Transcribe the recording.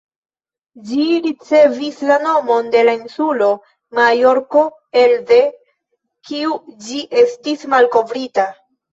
Ĝi ricevis la nomon de la insulo Majorko elde kiu ĝi estis malkovrita.